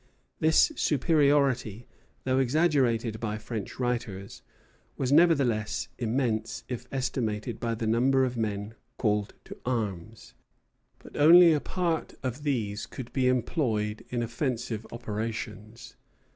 This superiority, though exaggerated by French writers, was nevertheless immense if estimated by the number of men called to arms; but only a part of these could be employed in offensive operations.